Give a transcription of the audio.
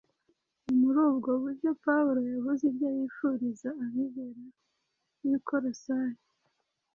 Ni muri ubwo buryo Pawulo yavuze ibyo yifuriza abizera b’i Kolosayi.